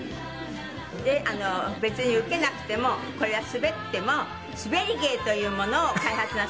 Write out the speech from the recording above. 「で別にウケなくてもこれはスベってもスベり芸というものを開発なさいましてですね」